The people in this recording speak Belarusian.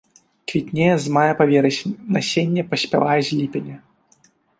Квітнее з мая па верасень, насенне паспявае з ліпеня.